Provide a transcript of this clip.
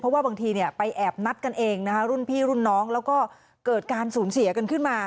เพราะว่าบางทีไปแอบนัดกันเองนะคะรุ่นพี่รุ่นน้องแล้วก็เกิดการสูญเสียกันขึ้นมา